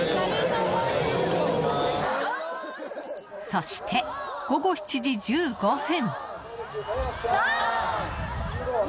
そして、午後７時１５分。